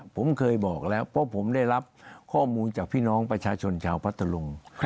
ผมเคยบอกแล้วเพราะผมได้รับข้อมูลจากพี่น้องประชาชนชาวพัทธรุง